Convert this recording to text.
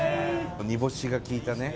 煮干しが利いたね。